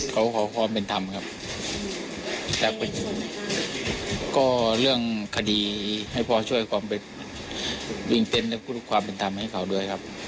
เขาขอความเป็นธรรมครับแต่เป็นก็เรื่องคดีให้พ่อช่วยความเป็นความเป็นธรรมให้เขาด้วยครับ